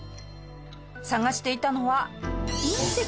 探していたのは隕石。